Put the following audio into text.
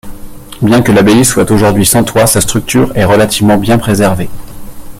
Bien que l'abbaye soit aujourd’hui sans toit, sa structure est relativement bien préservée.